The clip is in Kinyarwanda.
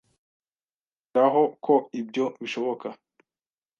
Yongera ho ko ibyo bishoboka